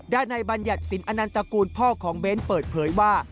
ในบัญญัติสินอนันตกูลพ่อของเบ้นเปิดเผยว่า